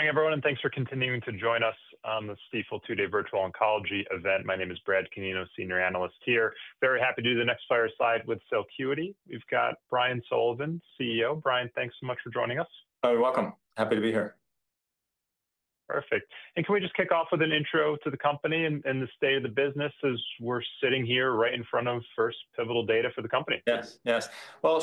Hi, everyone, and thanks for continuing to join us on the Stifel two-day virtual oncology event. My name is Brad Canino, Senior Analyst here. Very happy to do the next fireside with Celcuity. We've got Brian Sullivan, CEO. Brian, thanks so much for joining us. You're welcome. Happy to be here. Perfect. Can we just kick off with an intro to the company and the state of the business as we're sitting here right in front of first pivotal data for the company? Yes, yes.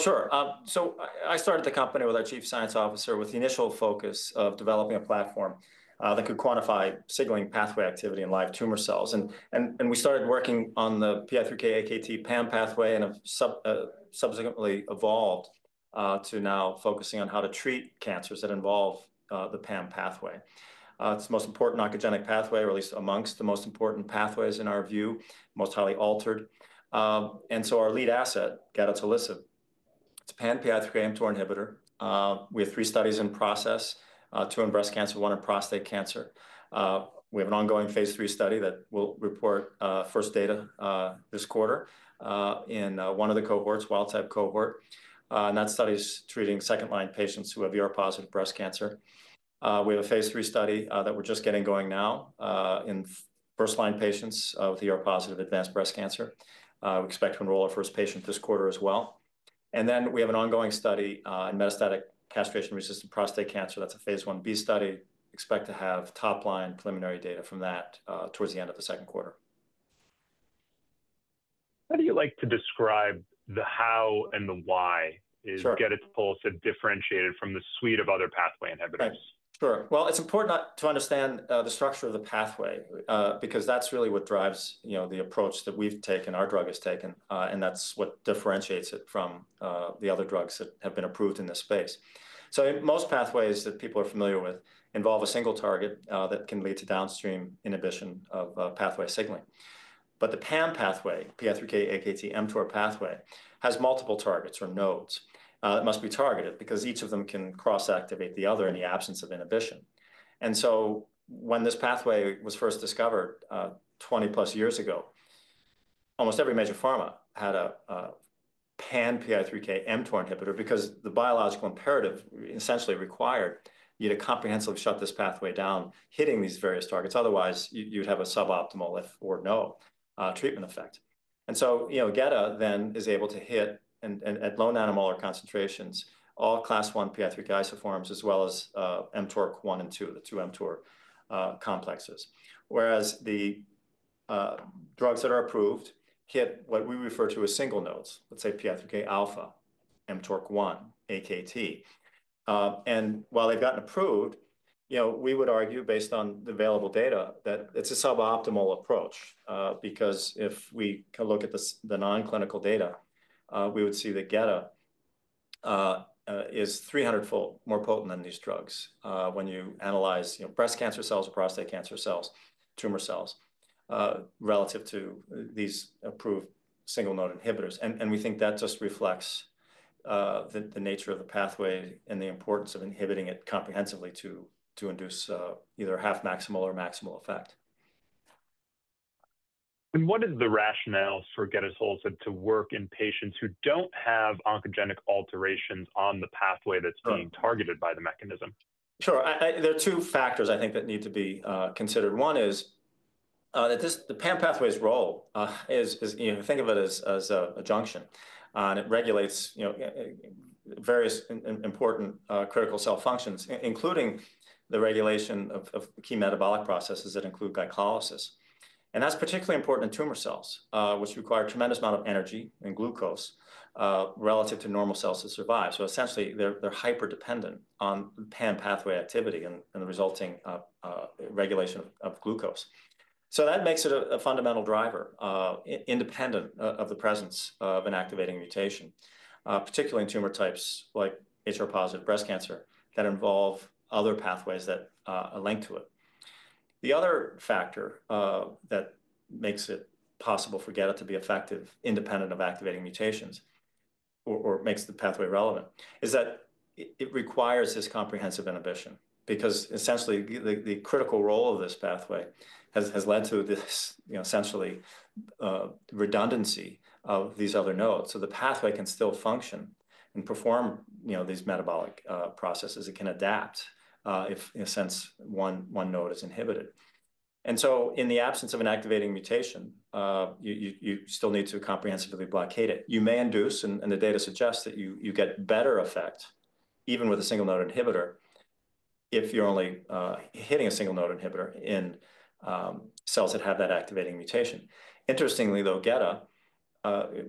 Sure. I started the company with our Chief Science Officer with the initial focus of developing a platform that could quantify signaling pathway activity in live tumor cells. We started working on the PI3K/AKT/mTOR pathway and have subsequently evolved to now focusing on how to treat cancers that involve the PAM pathway. It is the most important oncogenic pathway, or at least amongst the most important pathways in our view, most highly altered. Our lead asset, Gedatolisib, is a pan-PI3K/mTOR inhibitor. We have three studies in process: two in breast cancer, one in prostate cancer. We have an ongoing phase III study that will report first data this quarter in one of the cohorts, wild-type cohort. That study is treating second-line patients who have ER-positive breast cancer. We have a phase III study that we're just getting going now in first-line patients with ER-positive advanced breast cancer. We expect to enroll our first patient this quarter as well. We have an ongoing study in metastatic castration-resistant prostate cancer. That's a phase I B study. Expect to have top-line preliminary data from that towards the end of the Q2. How do you like to describe the how and the why is Gedatolisib's pulse and differentiated from the suite of other pathway inhibitors? Sure. It is important to understand the structure of the pathway because that is really what drives the approach that we have taken, our drug has taken, and that is what differentiates it from the other drugs that have been approved in this space. Most pathways that people are familiar with involve a single target that can lead to downstream inhibition of pathway signaling. The PAM pathway, PI3K/AKT/mTOR pathway, has multiple targets or nodes that must be targeted because each of them can cross-activate the other in the absence of inhibition. When this pathway was first discovered 20 plus years ago, almost every major pharma had a pan-PI3K/mTOR inhibitor because the biological imperative essentially required you to comprehensively shut this pathway down, hitting these various targets. Otherwise, you would have a suboptimal if or no treatment effect. Gedatolisib then is able to hit at low nanomolar concentrations all class I PI3K isoforms, as well as mTORC1 and 2, the two mTOR complexes. Whereas the drugs that are approved hit what we refer to as single nodes, let's say PI3K alpha, mTORC1, AKT. While they've gotten approved, we would argue based on the available data that it's a suboptimal approach because if we look at the non-clinical data, we would see that Gedatolisib is 300-fold more potent than these drugs when you analyze breast cancer cells or prostate cancer cells, tumor cells, relative to these approved single-node inhibitors. We think that just reflects the nature of the pathway and the importance of inhibiting it comprehensively to induce either half-maximal or maximal effect. What is the rationale for Gedatolisib's pulse to work in patients who don't have oncogenic alterations on the pathway that's being targeted by the mechanism? Sure. There are two factors I think that need to be considered. One is that the PAM pathway's role is, think of it as a junction, and it regulates various important critical cell functions, including the regulation of key metabolic processes that include glycolysis. That's particularly important in tumor cells, which require a tremendous amount of energy and glucose relative to normal cells to survive. Essentially, they're hyperdependent on PAM pathway activity and the resulting regulation of glucose. That makes it a fundamental driver, independent of the presence of an activating mutation, particularly in tumor types like HR-positive breast cancer that involve other pathways that are linked to it. The other factor that makes it possible for Gedatolisib to be effective, independent of activating mutations or makes the pathway relevant, is that it requires this comprehensive inhibition because essentially the critical role of this pathway has led to this essentially redundancy of these other nodes. The pathway can still function and perform these metabolic processes. It can adapt if, in a sense, one node is inhibited. In the absence of an activating mutation, you still need to comprehensively blockade it. You may induce, and the data suggests that you get better effect even with a single-node inhibitor if you're only hitting a single-node inhibitor in cells that have that activating mutation. Interestingly, though, Gedatolisib,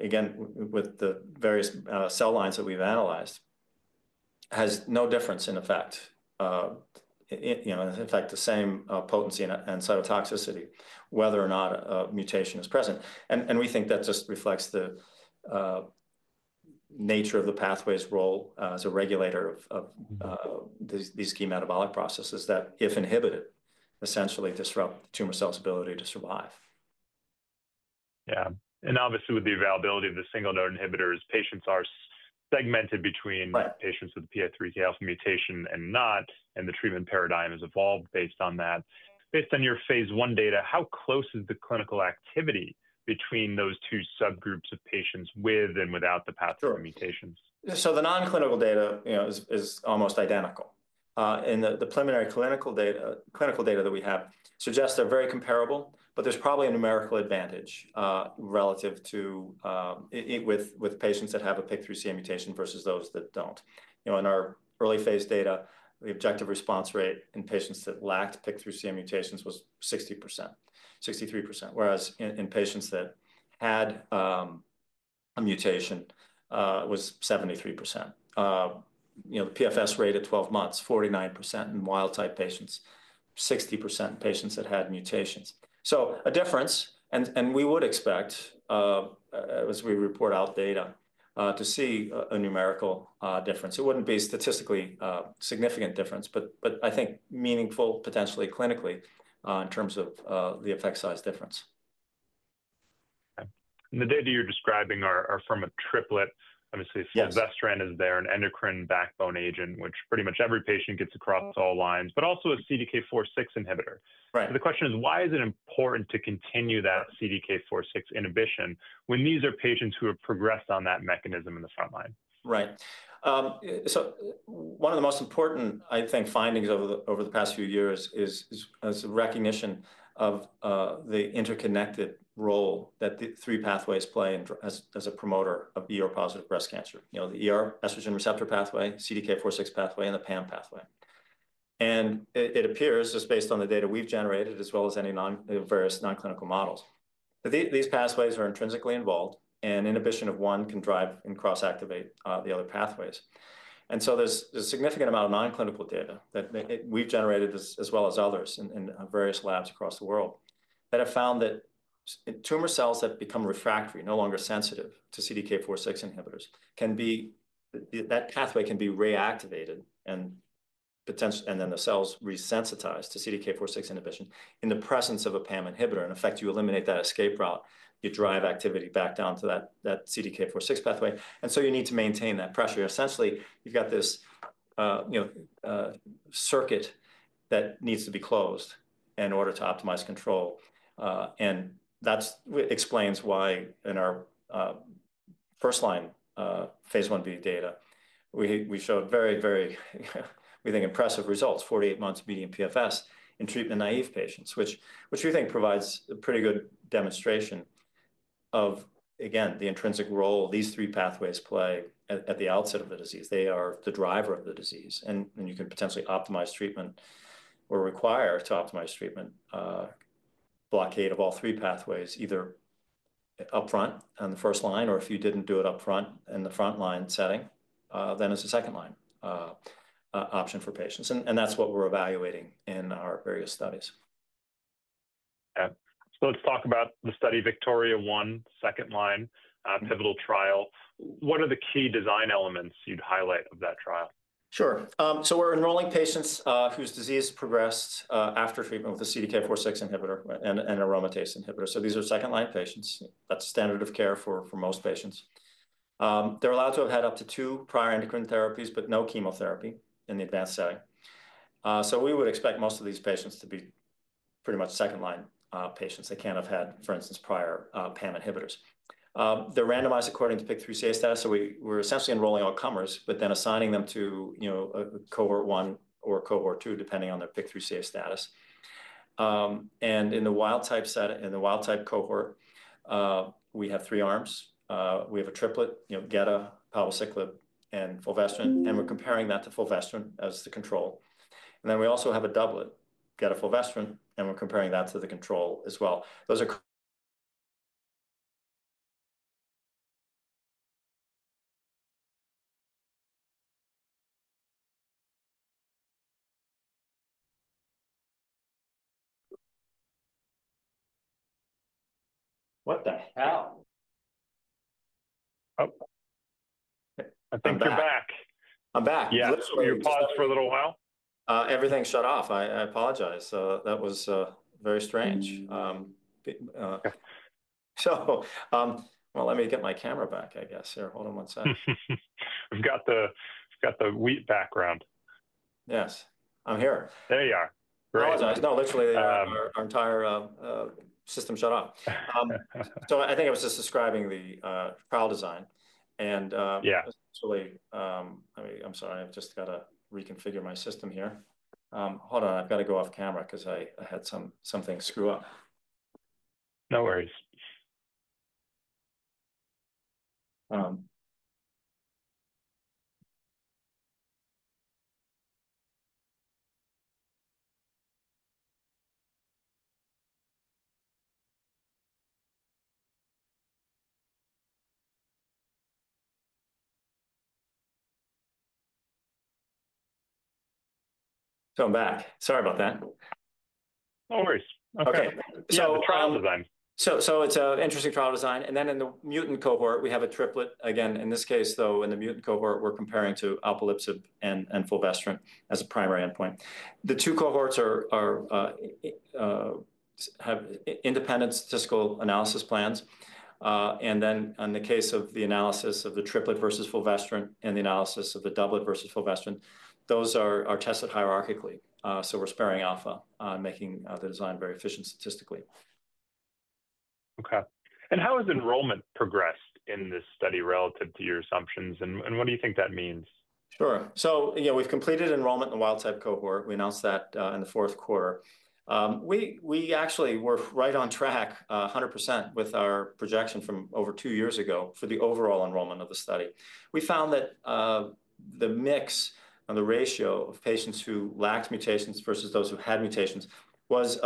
again, with the various cell lines that we've analyzed, has no difference in effect, in fact, the same potency and cytotoxicity, whether or not a mutation is present. We think that just reflects the nature of the pathway's role as a regulator of these key metabolic processes that, if inhibited, essentially disrupt tumor cells' ability to survive. Yeah. Obviously, with the availability of the single-node inhibitors, patients are segmented between patients with PI3K alpha mutation and not, and the treatment paradigm has evolved based on that. Based on your phase I data, how close is the clinical activity between those two subgroups of patients with and without the pathway mutation? The non-clinical data is almost identical. The preliminary clinical data that we have suggests they're very comparable, but there's probably a numerical advantage relative to it with patients that have a PI3K mutation versus those that don't. In our early phase data, the objective response rate in patients that lacked PI3K mutations was 60%, 63%, whereas in patients that had a mutation was 73%. The PFS rate at 12 months, 49% in wild-type patients, 60% in patients that had mutations. A difference, and we would expect, as we report out data, to see a numerical difference. It wouldn't be a statistically significant difference, but I think meaningful potentially clinically in terms of the effect size difference. The data you're describing are from a triplet. Obviously, fulvestrant is there, an endocrine backbone agent, which pretty much every patient gets across all lines, but also a CDK4/6 inhibitor. The question is, why is it important to continue that CDK4/6 inhibition when these are patients who have progressed on that mechanism in the front line? Right. One of the most important, I think, findings over the past few years is recognition of the interconnected role that the three pathways play as a promoter of ER-positive breast cancer. The estrogen receptor pathway, CDK4/6 pathway, and the PAM pathway. It appears, just based on the data we've generated, as well as various non-clinical models, that these pathways are intrinsically involved, and inhibition of one can drive and cross-activate the other pathways. There is a significant amount of non-clinical data that we've generated, as well as others in various labs across the world, that have found that tumor cells that become refractory, no longer sensitive to CDK4/6 inhibitors, that pathway can be reactivated, and then the cells resensitize to CDK4/6 inhibition in the presence of a PAM inhibitor. In effect, you eliminate that escape route. You drive activity back down to that CDK4/6 pathway. You need to maintain that pressure. Essentially, you've got this circuit that needs to be closed in order to optimize control. That explains why in our first-line phase I B data, we showed very, very, we think, impressive results, 48 months median PFS in treatment naive patients, which we think provides a pretty good demonstration of, again, the intrinsic role these three pathways play at the outset of the disease. They are the driver of the disease. You can potentially optimize treatment or require to optimize treatment blockade of all three pathways, either upfront on the first line or if you didn't do it upfront in the front line setting, then as a second-line option for patients. That is what we're evaluating in our various studies. Let's talk about the study, VIKTORIA-1, second-line pivotal trial. What are the key design elements you'd highlight of that trial? Sure. We're enrolling patients whose disease progressed after treatment with a CDK4/6 inhibitor and an aromatase inhibitor. These are second-line patients. That's standard of care for most patients. They're allowed to have had up to two prior endocrine therapies, but no chemotherapy in the advanced setting. We would expect most of these patients to be pretty much second-line patients. They can't have had, for instance, prior PAM inhibitors. They're randomized according to PI3CA status. We're essentially enrolling all comers, but then assigning them to a cohort one or cohort two, depending on their PI3CA status. In the wild-type set, in the wild-type cohort, we have three arms. We have a triplet, Gedatolisib, palbociclib, and fulvestrant. We're comparing that to fulvestrant as the control. We also have a doublet, Gedatolisib, fulvestrant, and we're comparing that to the control as well [inaudible] What the hell? I think I'm back. I'm back. Yeah. You were paused for a little while? Everything shut off. I apologize. That was very strange. Let me get my camera back, I guess. Here, hold on one sec. We've got the wheat background. Yes. I'm here. There you are. I apologize. No, literally, our entire system shut up. I think I was just describing the trial design. Actually, I'm sorry, I've just got to reconfigure my system here. Hold on. I've got to go off camera because I had something screw up. No worries. I'm back. Sorry about that. No worries. Okay. It's a trial design. It's an interesting trial design. In the mutant cohort, we have a triplet. Again, in this case, though, in the mutant cohort, we're comparing to alpelisib and fulvestrant as a primary endpoint. The two cohorts have independent statistical analysis plans. In the case of the analysis of the triplet versus fulvestrant and the analysis of the doublet versus fulvestrant, those are tested hierarchically. We're sparing alpha and making the design very efficient statistically. Okay. How has enrollment progressed in this study relative to your assumptions? What do you think that means? Sure. We have completed enrollment in the wild-type cohort. We announced that in the Q4. We actually were right on track 100% with our projection from over two years ago for the overall enrollment of the study. We found that the mix and the ratio of patients who lacked mutations versus those who had mutations was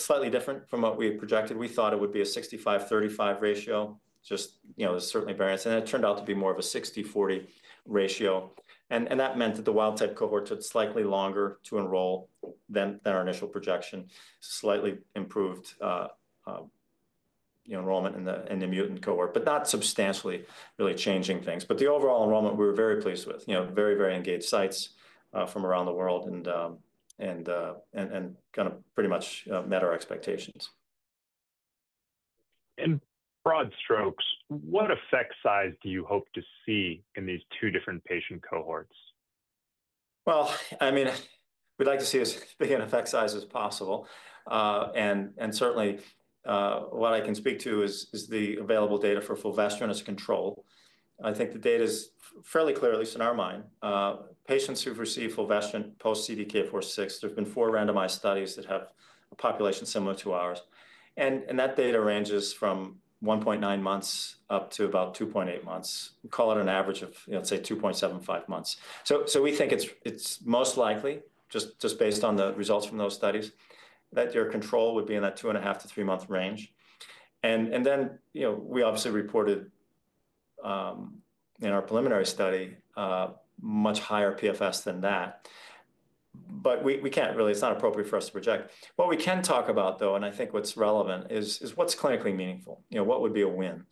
slightly different from what we had projected. We thought it would be a 65-35 ratio, just certainly variance. It turned out to be more of a 60-40 ratio. That meant that the wild-type cohort took slightly longer to enroll than our initial projection, slightly improved enrollment in the mutant cohort, but not substantially really changing things. The overall enrollment, we were very pleased with. Very, very engaged sites from around the world and kind of pretty much met our expectations. In broad strokes, what effect size do you hope to see in these two different patient cohorts? I mean, we'd like to see as big an effect size as possible. Certainly, what I can speak to is the available data for fulvestrant as a control. I think the data is fairly clear, at least in our mind. Patients who've received fulvestrant post-CDK4/6, there's been four randomized studies that have a population similar to ours. That data ranges from 1.9 months up to about 2.8 months. We call it an average of, let's say, 2.75 months. We think it's most likely, just based on the results from those studies, that your control would be in that two and a half to three months range. We obviously reported in our preliminary study much higher PFS than that. We can't really, it's not appropriate for us to project. What we can talk about, though, and I think what's relevant is what's clinically meaningful. What would be a win?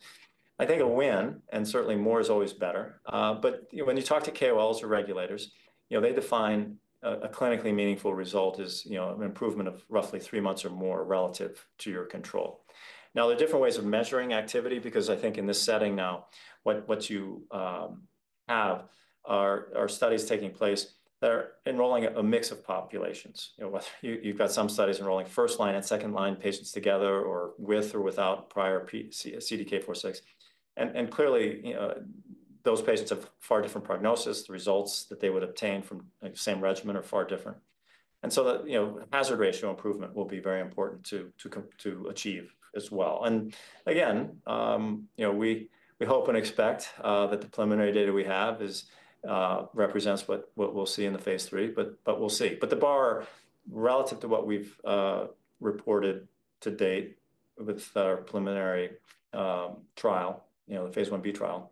I think a win, and certainly more is always better. When you talk to KOLs or regulators, they define a clinically meaningful result as an improvement of roughly three months or more relative to your control. Now, there are different ways of measuring activity because I think in this setting now, what you have are studies taking place that are enrolling a mix of populations. You've got some studies enrolling first-line and second-line patients together or with or without prior CDK4/6. Clearly, those patients have far different prognosis. The results that they would obtain from the same regimen are far different. The hazard ratio improvement will be very important to achieve as well. Again, we hope and expect that the preliminary data we have represents what we'll see in the phase III, but we'll see. The bar relative to what we've reported to date with our preliminary trial, the phase I B trial,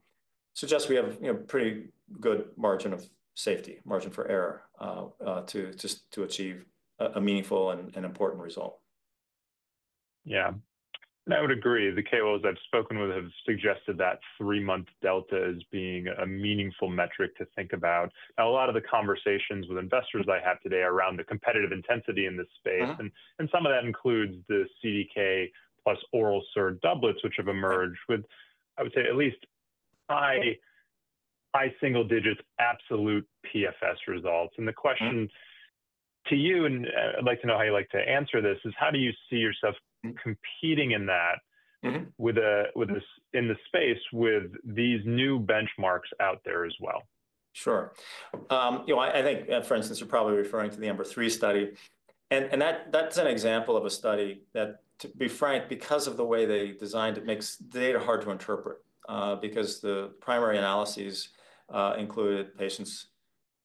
suggests we have a pretty good margin of safety, margin for error to achieve a meaningful and important result. Yeah. I would agree. The KOLs I've spoken with have suggested that three-month delta is being a meaningful metric to think about. A lot of the conversations with investors I have today are around the competitive intensity in this space. Some of that includes the CDK plus oral SERD doublets, which have emerged with, I would say, at least high single-digit absolute PFS results. The question to you, and I'd like to know how you'd like to answer this, is how do you see yourself competing in the space with these new benchmarks out there as well? Sure. I think, for instance, you're probably referring to the EMBER-3 study. That's an example of a study that, to be frank, because of the way they designed it, makes the data hard to interpret because the primary analyses included patients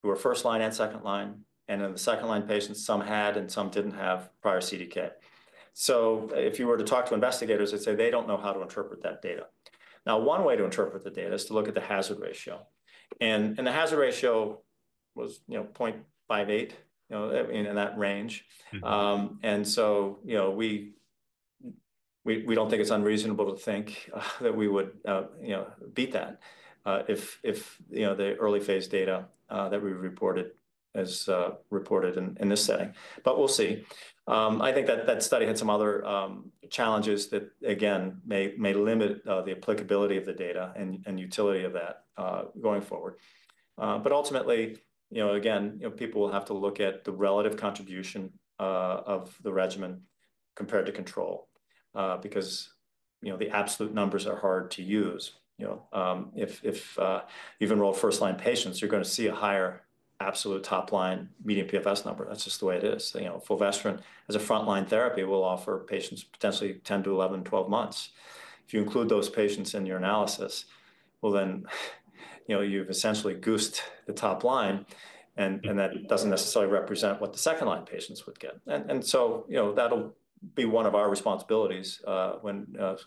who were first-line and second-line. In the second-line patients, some had and some did not have prior CDK. If you were to talk to investigators, they'd say they do not know how to interpret that data. One way to interpret the data is to look at the hazard ratio. The hazard ratio was 0.58, in that range. We do not think it is unreasonable to think that we would beat that if the early phase data that we reported is reported in this setting. We'll see. I think that that study had some other challenges that, again, may limit the applicability of the data and utility of that going forward. Ultimately, again, people will have to look at the relative contribution of the regimen compared to control because the absolute numbers are hard to use. If you've enrolled first-line patients, you're going to see a higher absolute top-line median PFS number. That's just the way it is. Fulvestrant as a front-line therapy will offer patients potentially 10-11, 12 months. If you include those patients in your analysis, you've essentially goosed the top line. That doesn't necessarily represent what the second-line patients would get. That'll be one of our responsibilities if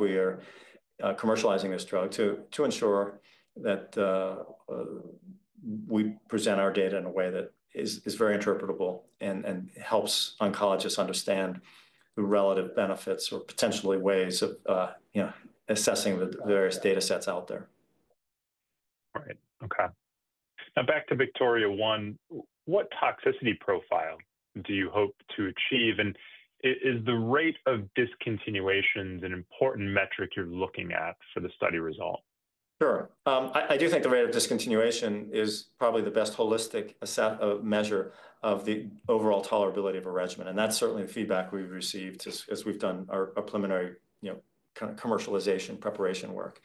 we are commercializing this drug to ensure that we present our data in a way that is very interpretable and helps oncologists understand the relative benefits or potentially ways of assessing the various data sets out there. All right. Okay. Now, back to VIKTORIA-1. What toxicity profile do you hope to achieve? Is the rate of discontinuation an important metric you're looking at for the study result? Sure. I do think the rate of discontinuation is probably the best holistic measure of the overall tolerability of a regimen. That is certainly the feedback we have received as we have done our preliminary kind of commercialization preparation work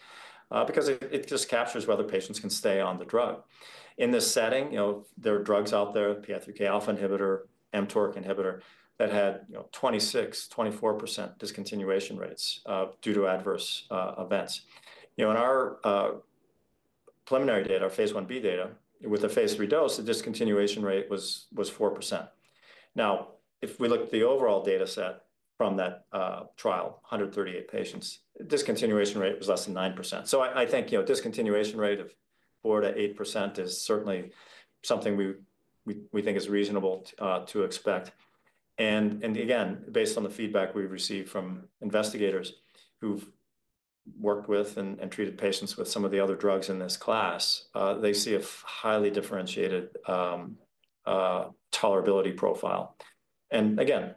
because it just captures whether patients can stay on the drug. In this setting, there are drugs out there, PI3K alpha inhibitor, mTORC inhibitor, that had 26%, 24% discontinuation rates due to adverse events. In our preliminary data, our phase I B data, with the phase III dose, the discontinuation rate was 4%. Now, if we look at the overall data set from that trial, 138 patients, the discontinuation rate was less than 9%. I think discontinuation rate of 4% to 8% is certainly something we think is reasonable to expect. Again, based on the feedback we've received from investigators who've worked with and treated patients with some of the other drugs in this class, they see a highly differentiated tolerability profile. Again,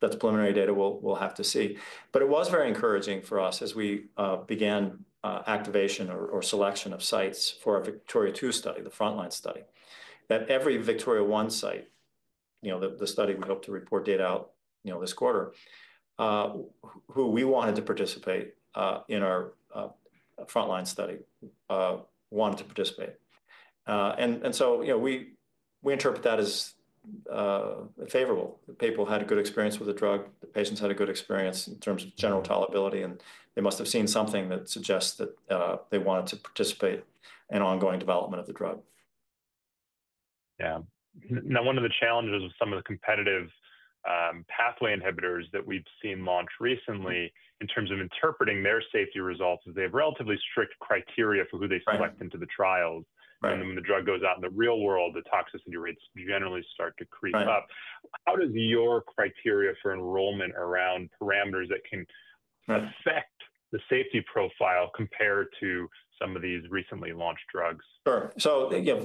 that's preliminary data. We'll have to see. It was very encouraging for us as we began activation or selection of sites for our VIKTORIA-2 study, the front-line study. At every VIKTORIA-1 site, the study we hope to report data out this quarter, who we wanted to participate in our front-line study wanted to participate. We interpret that as favorable. People had a good experience with the drug. The patients had a good experience in terms of general tolerability. They must have seen something that suggests that they wanted to participate in ongoing development of the drug. Yeah. Now, one of the challenges with some of the competitive pathway inhibitors that we've seen launch recently in terms of interpreting their safety results is they have relatively strict criteria for who they select into the trial. When the drug goes out in the real world, the toxicity rates generally start to creep up. How does your criteria for enrollment around parameters that can affect the safety profile compare to some of these recently launched drugs? Sure.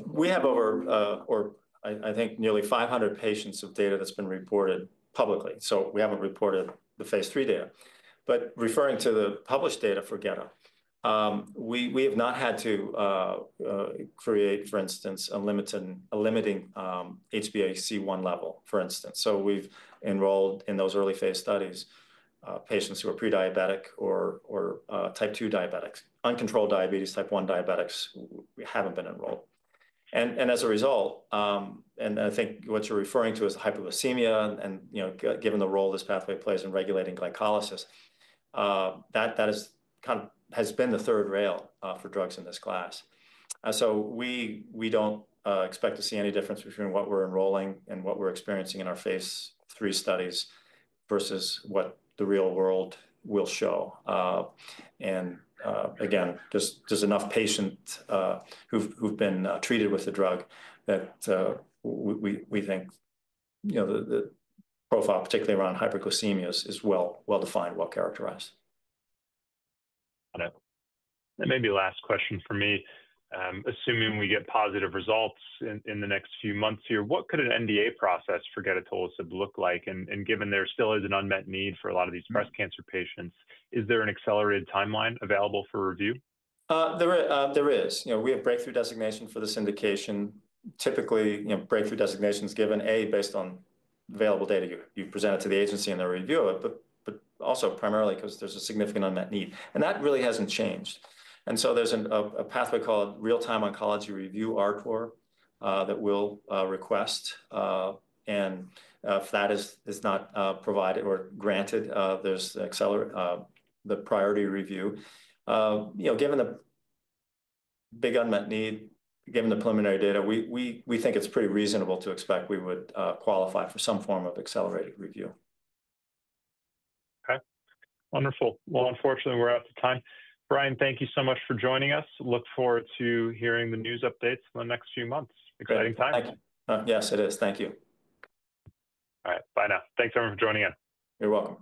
We have over, or I think, nearly 500 patients of data that's been reported publicly. We haven't reported the phase III data. Referring to the published data for Gedatolisib, we have not had to create, for instance, a limiting HbA1c level, for instance. We have enrolled in those early phase studies patients who are prediabetic or type 2 diabetics, uncontrolled diabetes. Type 1 diabetics, we haven't been enrolled. I think what you're referring to is hypoglycemia. Given the role this pathway plays in regulating glycolysis, that has been the third rail for drugs in this class. We don't expect to see any difference between what we're enrolling and what we're experiencing in our phase III studies versus what the real world will show. There is enough patients who have been treated with the drug that we think the profile, particularly around hyperglycemia, is well-defined, well-characterized. Got it. Maybe last question for me. Assuming we get positive results in the next few months here, what could an NDA process for Gedatolisib look like? Given there still is an unmet need for a lot of these breast cancer patients, is there an accelerated timeline available for review? There is. We have breakthrough designation for this indication. Typically, breakthrough designation is given, A, based on available data you've presented to the agency and the review of it, but also primarily because there's a significant unmet need. That really hasn't changed. There is a pathway called Real-Time Oncology Review, RTOR, that we'll request. If that is not provided or granted, there's the priority review. Given the big unmet need, given the preliminary data, we think it's pretty reasonable to expect we would qualify for some form of accelerated review. Okay. Wonderful. Unfortunately, we're out of time. Brian, thank you so much for joining us. Look forward to hearing the news updates in the next few months. Exciting time. Thank you. Yes, it is. Thank you. All right. Bye now. Thanks everyone for joining in. You're welcome.